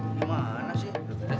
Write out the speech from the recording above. ini mana sih